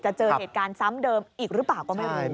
เจอเหตุการณ์ซ้ำเดิมอีกหรือเปล่าก็ไม่รู้